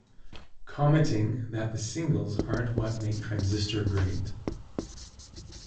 Commenting that the singles aren't what make Transistor great.